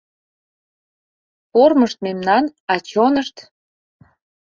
— Формышт мемнан, а чонышт?